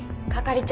係長。